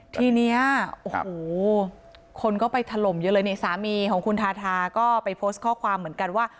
ทีนี้โอ้โหคนก็ไปถล่มเยอะเลยนี่สามีของคุณทาทาก็ไปโพสต์ข้อความเหมือนกันว่า